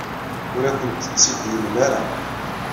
Ur akent-tt-id-yemla ara.